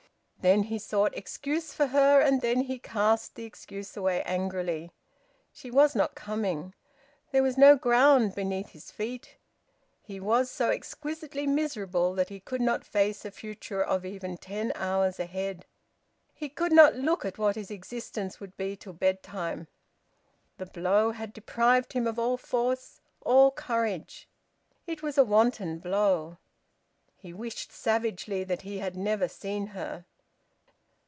Then he sought excuse for her, and then he cast the excuse away angrily. She was not coming. There was no ground beneath his feet. He was so exquisitely miserable that he could not face a future of even ten hours ahead. He could not look at what his existence would be till bedtime. The blow had deprived him of all force, all courage. It was a wanton blow. He wished savagely that he had never seen her...